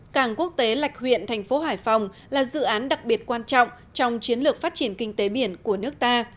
cảng quốc tế lạch huyện thành phố hải phòng là dự án đặc biệt quan trọng trong chiến lược phát triển kinh tế biển của nước ta